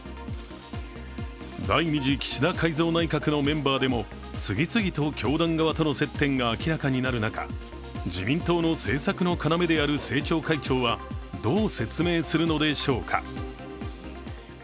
第２次岸田改造内閣のメンバーでも次々と教団側との接点が明らかになる中自民党の政策の要である政調会長はどう説明するのでしょうか。